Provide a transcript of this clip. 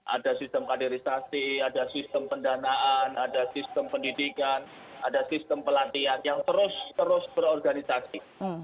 ada sistem kaderisasi ada sistem pendanaan ada sistem pendidikan ada sistem pelatihan yang terus terus berorganisasi